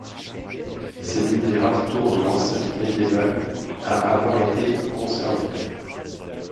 C’est l’une des rares tours de l’enceinte médiévale à avoir été conservée.